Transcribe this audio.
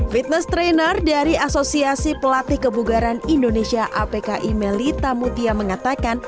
fitness trainer dari asosiasi pelatih kebugaran indonesia apki melita mutia mengatakan